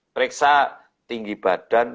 periksa tinggi badan